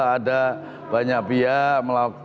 ada banyak pihak